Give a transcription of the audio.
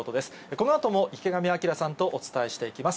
このあとも池上彰さんとお伝えしていきます。